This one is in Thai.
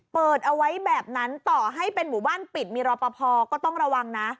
เปิดเอาไว้แบบนั้นต่อให้เป็นหมู่บ้านปิดมีรอปภก็ต้องระวังนะ